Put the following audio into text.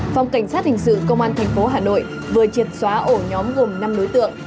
phòng cảnh sát hình sự công an tp hà nội vừa triệt xóa ổ nhóm gồm năm đối tượng